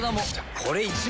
これ１枚。